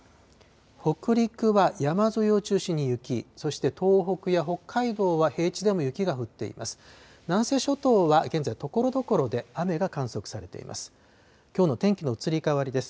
北陸は山沿いを中心に雪、そして東北や北海道は平地でも雪が降っています。